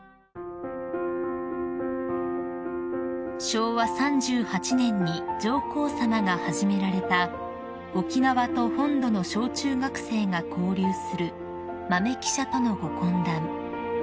［昭和３８年に上皇さまが始められた沖縄と本土の小中学生が交流する豆記者とのご懇談］